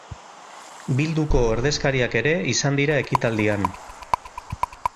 Bilduko ordezkariak ere izan dira ekitaldian.